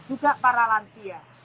juga para lansia